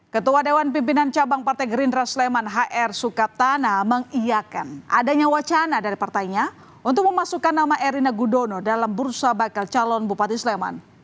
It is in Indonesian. ketua dewan pimpinan cabang partai gerindra sleman hr sukatana mengiakan adanya wacana dari partainya untuk memasukkan nama erina gudono dalam bursa bakal calon bupati sleman